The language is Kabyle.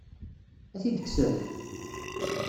Ad t-id-kksen?